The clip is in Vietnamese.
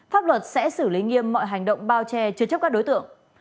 pháp luật sẽ xử lý nghiêm mọi hành động bao che chứa chấp các đối tượng